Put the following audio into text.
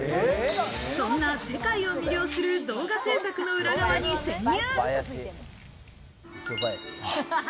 そんな世界を魅了する動画制作の裏側に潜入。